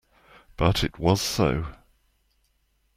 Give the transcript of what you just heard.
But it was so.